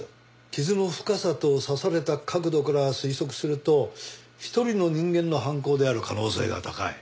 傷の深さと刺された角度から推測すると１人の人間の犯行である可能性が高い。